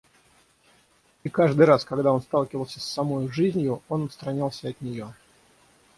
И каждый раз, когда он сталкивался с самою жизнью, он отстранялся от нее.